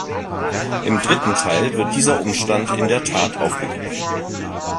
Im dritten Teil wird dieser Umstand in der Tat aufgegriffen.